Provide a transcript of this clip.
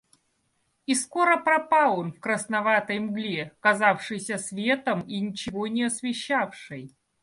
И скоро пропал он в красноватой мгле, казавшейся светом и ничего не освещавшей.